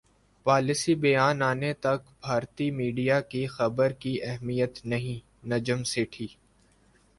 policy بیان انے تک بھارتی میڈیا کی خبر کی اہمیت نہیںنجم سیٹھی